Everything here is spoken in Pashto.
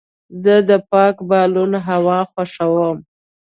زه د پاک بالون هوا خوښوم.